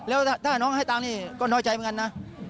แล้วถ้าน้องให้ตังค์นี่ก็น้อยใจเหมือนกันนะ